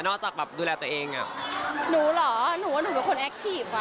จากแบบดูแลตัวเองอ่ะหนูเหรอหนูว่าหนูเป็นคนแอคทีฟอ่ะ